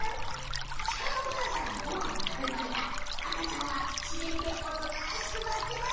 シカのお母さんがごはんを食べるあいだ赤ちゃんは茂みでおとなしく待ってます！